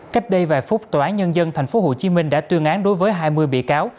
cách đây vài phút tòa án nhân dân tp hcm đã tuyên án đối với hai mươi bị cáo